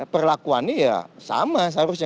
perlakuannya ya sama seharusnya